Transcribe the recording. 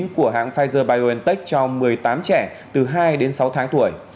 của hãng pfizer biontech cho một mươi tám trẻ từ hai đến sáu tháng tuổi